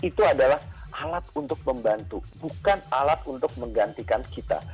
itu adalah alat untuk membantu bukan alat untuk menggantikan kita